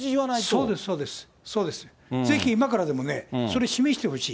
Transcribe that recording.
そうです、そうです、ぜひ今からでも、それ示してほしい。